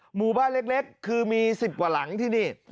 หมู่บ้านเล็กคือมี๑๐กว่าหลังที่นี่